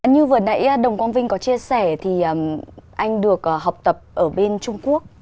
như vừa nãy đồng quang vinh có chia sẻ thì anh được học tập ở bên trung quốc